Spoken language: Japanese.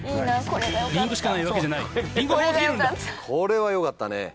これはよかったね。